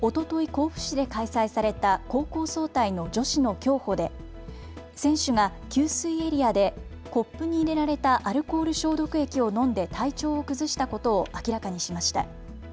甲府市で開催された高校総体の女子の競歩で選手が給水エリアでコップに入れられたアルコール消毒液を飲んで体調を崩したことを明らかにしました。